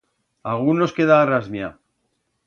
Agún nos queda rasmia.